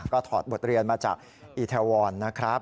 ก็ถอดบทเรียนมาจากอีแทวอนนะครับ